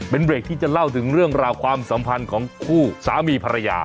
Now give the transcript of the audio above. เป็นเบรกที่จะเล่าถึงเรื่องราวความสัมพันธ์ของคู่สามีภรรยา